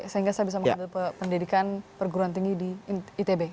sehingga saya bisa mengambil pendidikan perguruan tinggi di itb